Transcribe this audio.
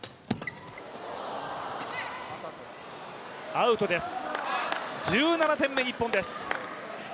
アウトです、１７点目、日本です。